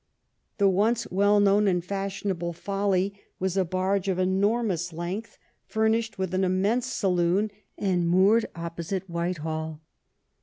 The once well known and fashionable Folly was a barge of enormous length, furnished with an immense saloon and moored opposite Whitehall.